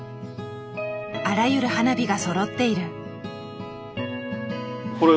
あらゆる花火がそろっている。